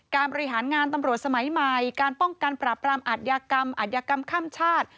บริหารงานตำรวจสมัยใหม่การป้องกันปราบรามอัธยากรรมอัธยากรรมข้ามชาติ